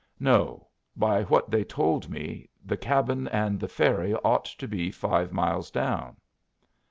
"No. By what they told me the cabin and the ferry ought to be five miles down."